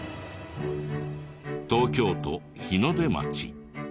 東京都日の出町。